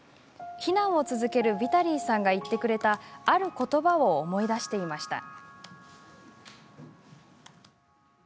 避難を続けるヴィタリーさんが言ってくれた、あることばを思い出していました。